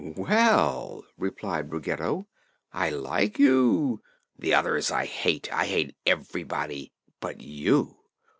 "Well," replied Ruggedo, "I like you. The others I hate. I hate everybody but you!